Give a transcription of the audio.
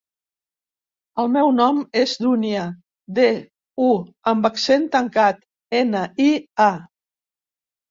El meu nom és Dúnia: de, u amb accent tancat, ena, i, a.